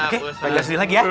oke belajar sendiri lagi ya